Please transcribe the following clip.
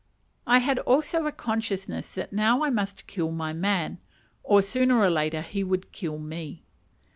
I had also a consciousness that now I must kill my man, or, sooner or later, he would kill me.